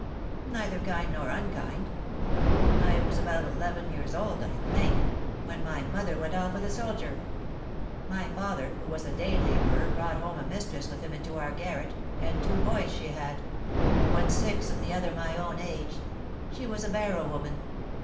"Neither kind nor unkind. I was about eleven years old, I think, when my mother went off with a soldier. My father, who was a day labourer, brought home a mistress with him into our garret, and two boys she had, one six, and the other my own age. She was a barrow woman.